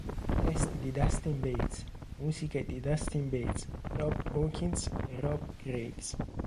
Testi di Dustin Bates, musiche di Dustin Bates, Rob Hawkins e Rob Graves.